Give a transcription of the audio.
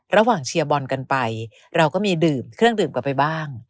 เชียร์บอลกันไปเราก็มีดื่มเครื่องดื่มกลับไปบ้าง